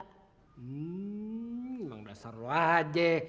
hmm emang udah seru aja